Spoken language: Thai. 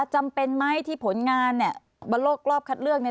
จำเป็นไหมที่ผลงานบนโลกรอบคัดเลือก